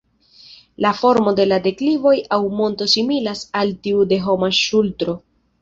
La formo de la deklivoj aŭ monto similas al tiu de homa ŝultro.